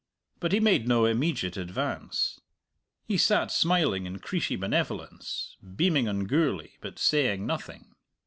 But he made no immediate advance. He sat smiling in creeshy benevolence, beaming on Gourlay but saying nothing.